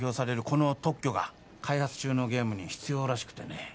この特許が開発中のゲームに必要らしくてね